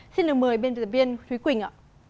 xin được mời biên tập viên thúy quỳnh ạ